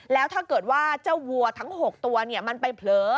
แล้วถ้าเกิดว่าเจ้าวัวทั้ง๖ตัวมันไปเผลอ